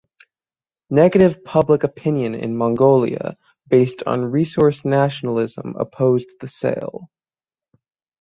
Negative public opinion in Mongolia based on resource nationalism opposed the sale.